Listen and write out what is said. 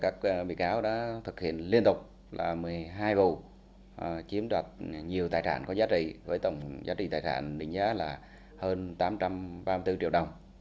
các bị cáo đã thực hiện liên tục là một mươi hai vụ chiếm đoạt nhiều tài sản có giá trị với tổng giá trị tài sản định giá là hơn tám trăm ba mươi bốn triệu đồng